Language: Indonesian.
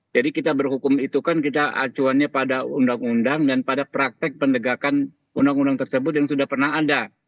jadi kita berhukum itu kan kita acuannya pada undang undang dan pada praktek pendegakan undang undang tersebut yang sudah pernah ada